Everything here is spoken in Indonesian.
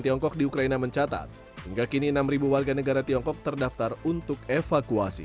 tiongkok di ukraina mencatat hingga kini enam warga negara tiongkok terdaftar untuk evakuasi